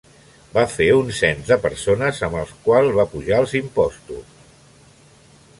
Va fer un cens de persones amb el qual va apujar els impostos.